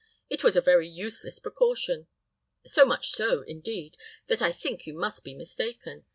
It was a very useless precaution; so much so, indeed, that I think you must be mistaken.